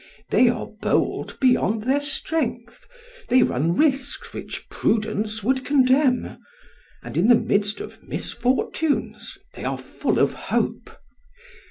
They are bold beyond their strength; they run risks which prudence would condemn; and in the midst of misfortunes they are full of hope.